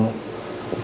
cái thương tích này là